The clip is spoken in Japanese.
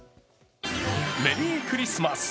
メリークリスマス！